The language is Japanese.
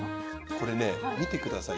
これね見てください。